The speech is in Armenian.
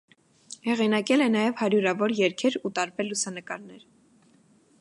Հեղինակել է նաև հարյուրավոր երգեր ու տարբեր լուսանկարներ։